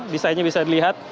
desainnya bisa dilihat